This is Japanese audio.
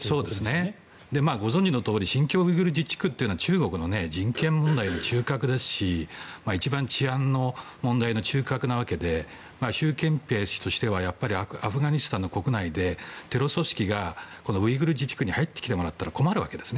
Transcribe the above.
ご存じのとおり新疆ウイグル自治区は中国の人権問題の中核ですし一番、治安の問題の中核なわけで習近平氏としてはアフガニスタンの国内でテロ組織がウイグル自治区に入ったら困るわけです。